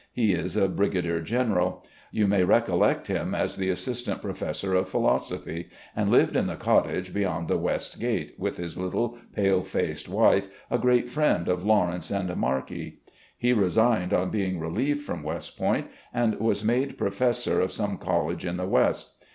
He is a brigadier general. You may recollect him as the Assistant Professor of Philosophy, and lived in the cottage beyond the west gate, with his little, pale faced wife, a great friend of Lawrence and Markie. He resigned on being relieved from West Point, and was made professor of some college in the West.